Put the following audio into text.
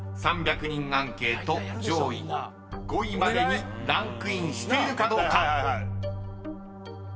［３００人アンケート上位５位までにランクインしているかどうか］